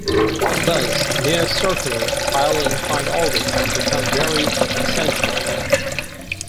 Thus, near-circular, highly inclined orbits can become very eccentric.